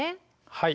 はい。